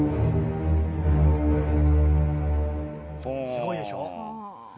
すごいでしょう。